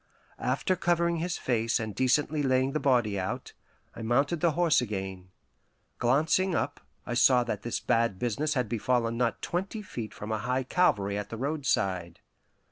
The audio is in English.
After covering his face and decently laying the body out, I mounted the horse again. Glancing up, I saw that this bad business had befallen not twenty feet from a high Calvary at the roadside.